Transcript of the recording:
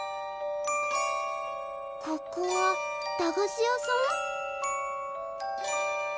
ここは駄菓子屋さん？